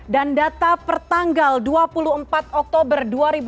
dan data pertanggal dua puluh empat oktober dua ribu dua puluh dua